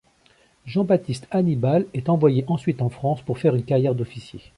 Jean-Baptiste Annibal est envoyé ensuite en France pour faire une carrière d'officier.